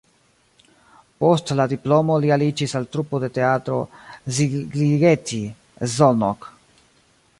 Post la diplomo li aliĝis al trupo de Teatro Szigligeti (Szolnok).